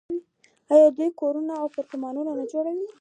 آیا دوی کورونه او اپارتمانونه نه جوړوي؟